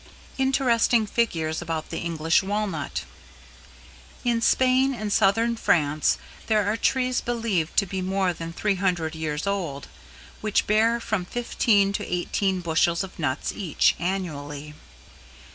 Interesting Figures about the English Walnut. In Spain and Southern France there are trees believed to be more than 300 years old which bear from fifteen to eighteen bushels of nuts each, annually.